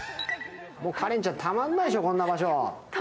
花恋ちゃん、たまんないでしょ、こんな場所。